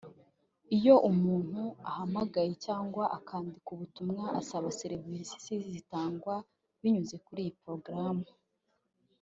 Iyo umuntu ahamagaye cyangwa akandika ubutumwa asaba serivisi zitangwa binyuze kuri iyi porogaramu